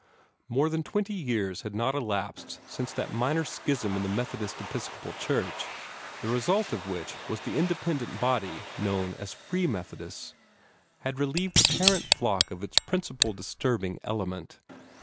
More than twenty years had now elapsed since that minor schism in the Methodist Episcopal Church, the result of which was the independent body known as Free Methodists, had relieved the parent flock of its principal disturbing element.